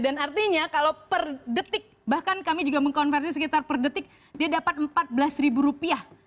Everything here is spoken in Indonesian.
dan artinya kalau per detik bahkan kami juga mengkonversi sekitar per detik dia dapat empat belas rupiah